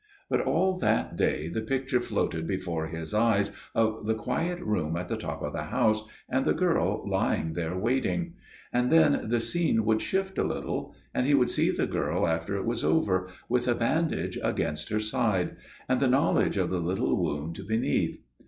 "But all that day the picture floated before his eyes of the quiet room at the top of the house, and the girl lying there waiting. And then the scene would shift a little. And he would see the girl after it was over, with a bandage against her side, and the knowledge of the little wound beneath.